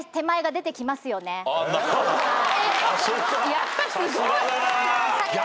やっぱすごい。